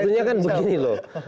sebetulnya kan begini loh